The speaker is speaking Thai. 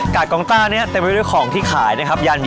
กองต้านี้เต็มไปด้วยของที่ขายนะครับ